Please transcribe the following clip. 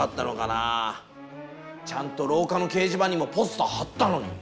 ちゃんとろうかの掲示板にもポスター貼ったのに！